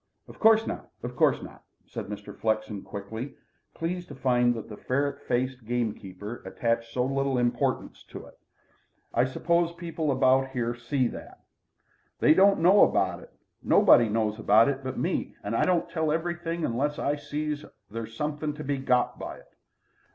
"Of course not, of course not," said Mr. Flexen quickly, pleased to find that the ferret faced gamekeeper attached so little importance to it. "I suppose people about here see that." "They don't know about it. Nobody knows about it but me, and I don't tell everything I sees unless there's something to be got by it.